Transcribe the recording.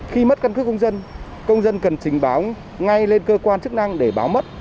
khi mất cân cước công dân công dân cần trình báo ngay lên cơ quan chức năng để báo mất